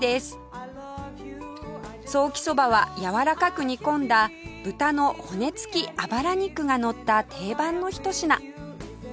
ソーキそばはやわらかく煮込んだ豚の骨付きあばら肉がのった定番のひと品